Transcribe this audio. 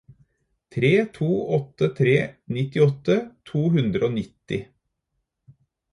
tre to åtte tre nittiåtte to hundre og nitti